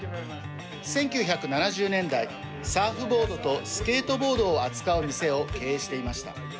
１９７０年代、サーフボードとスケートボードを扱う店を経営していました。